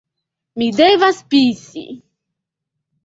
Mi devas pisi